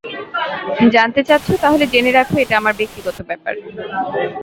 জানতে চাচ্ছ, তাহলে জেনে রাখো এটা আমার ব্যক্তিগত ব্যাপার।